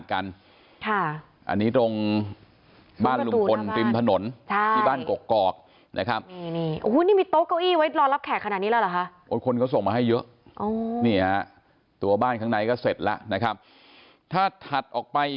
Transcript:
ครับอันนี้ก็เอามาให้เห็นบรรยากาศกัน